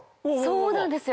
そうなんですよ。